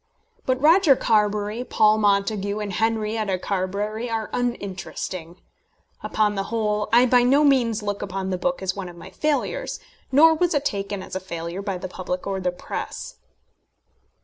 But Roger Carbury, Paul Montague, and Henrietta Carbury are uninteresting. Upon the whole, I by no means look upon the book as one of my failures; nor was it taken as a failure by the public or the press.